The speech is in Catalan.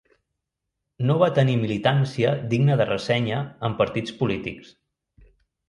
No va tenir militància digna de ressenya en partits polítics.